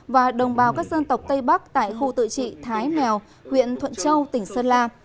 và đồng bào các dân tộc tây bắc tại khu tự trị thái mèo huyện thuận châu tỉnh sơn la